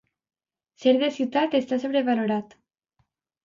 Ser de ciutat està sobrevalorat.